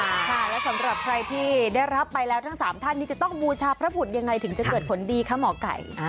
ค่ะแล้วสำหรับใครที่ได้รับไปแล้วทั้ง๓ท่านนี้จะต้องบูชาพระพุทธยังไงถึงจะเกิดผลดีคะหมอไก่